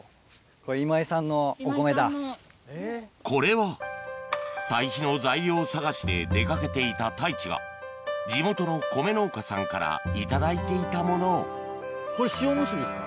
これは堆肥の材料探しで出かけていた太一が地元の米農家さんから頂いていたものをこれ塩むすびですか？